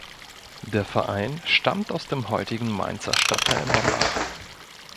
Der Verein stammt aus dem heutigen Mainzer Stadtteil Mombach.